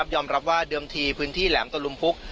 ยอมรับว่าเดิมทีพื้นที่แหลมตะลุมพุก